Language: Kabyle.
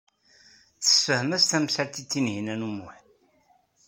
Tesfehmed-as tamsalt i Tinhinan u Muḥ.